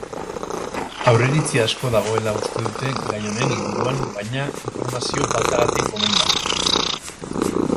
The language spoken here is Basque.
Aurreiritzi asko dagoela uste dute gai honen inguruan baina informazio faltagatik omen da.